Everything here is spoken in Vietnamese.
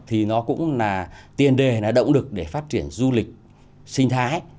thì nó cũng là tiền đề là động lực để phát triển du lịch sinh thái